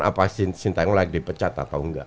apa sintayong lagi dipecat atau enggak